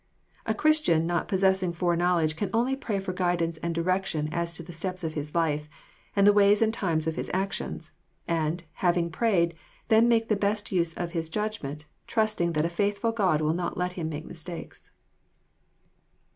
A Christian not possessing foreknowledge can only pray for guidance and direction as to the steps of his life, and the ways and times of his actions ; and, having prayed, then make the best use of his judgment, trusting that a faithful God will not let him make mistakes.